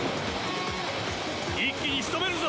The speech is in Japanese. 一気にしとめるぞ！